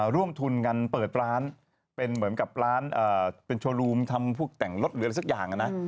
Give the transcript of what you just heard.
ร่วมทุนกันเปิดร้านเป็นเหมือนกับร้านเป็นโชว์รูมทำพวกแต่งรถหรืออะไรสักอย่างนะ